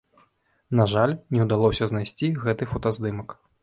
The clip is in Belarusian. На жаль, не ўдалося знайсці гэты фотаздымак.